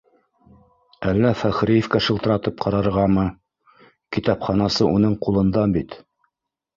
Әллә Фәхриевкә шылтыратып ҡарарғамы? Китапханасы уның ҡулында бит